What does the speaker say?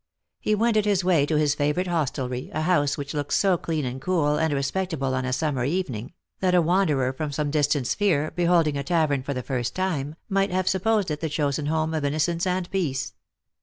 He wended his way to his favourite hostelry, a house which looked so clean and cool and respectable on a summer evening, that Lost for Love. 271 a wanderer from some distant sphere, beholding a tavern for the first time, might have supposed it the chosen home of inno cence and peace.